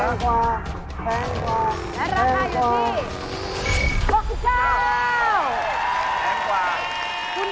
และราคายื้อที่